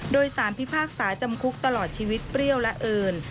โดยสารพิพากษาจำคุกตลอดชีวิตเปรี้ยวและเอิญ